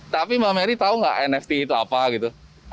tapi mbak mary tahu nggak nft itu apa gitu